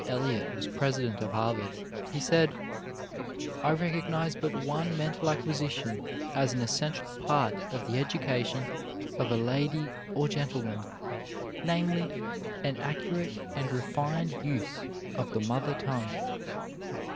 Eliot was president of Harvard, he said, "I recognize but one mental acquisition as an essential part of the education of a lady or gentleman, namely, an accurate and refined use of the mother tongue."